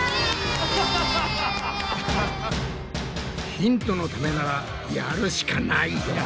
ヒントのためならやるしかないよな。